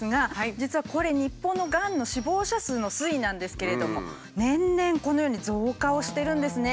実はこれ日本のがんの死亡者数の推移なんですけれども年々このように増加をしてるんですね。